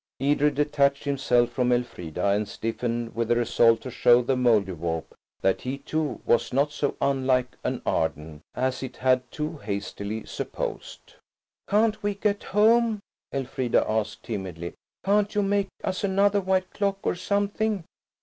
Edred detached himself from Elfrida and stiffened with a resolve to show the Mouldiwarp that he too was not so unlike an Arden as it had too hastily supposed. "Can't we get home?" Elfrida asked timidly. "Can't you make us another white clock, or something?"